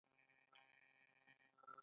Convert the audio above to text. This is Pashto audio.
ځواب ساده دی، اړتیا وړ نوعې محدودې وې.